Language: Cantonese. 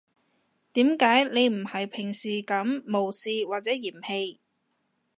點解你唔係平時噉無視或者嫌棄